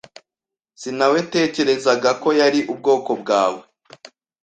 Sinawetekerezaga ko yari ubwoko bwawe.